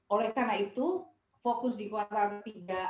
oleh karena itu fokus di kuartal tiga